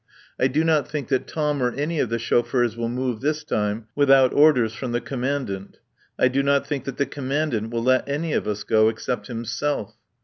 I do not think that Tom or any of the chauffeurs will move, this time, without orders from the Commandant. I do not think that the Commandant will let any of us go except himself.